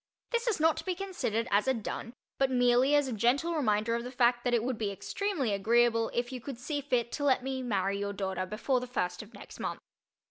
This is not to be considered as a "dun" but merely as a gentle reminder of the fact that it would be extremely agreeable if you could see fit to let me marry your daughter before the first of next month.